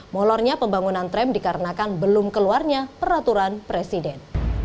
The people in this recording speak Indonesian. molornya pembangunan tram dikarenakan belum keluarnya peraturan presiden